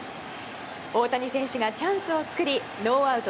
大谷選手がチャンスを作りノーアウト